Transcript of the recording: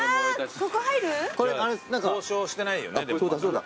ここ入る？交渉してないよね。